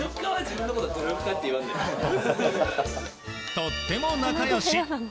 とっても仲良し。